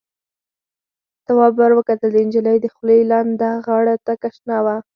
تواب ور وکتل، د نجلۍ دخولې لنده غاړه تکه شنه وه.